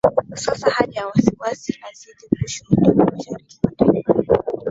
sasa hali ya wasiwasi inazidi kushuhudiwa mashariki mwa taifa hilo